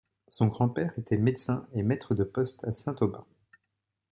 Son grand-père était médecin et maître de poste à Saint-Aubin.